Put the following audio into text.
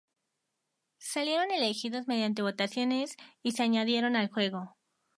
Salieron elegidos mediante votaciones y se añadieron al juego.